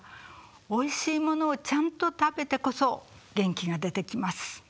おいしいものをちゃんと食べてこそ元気が出てきます。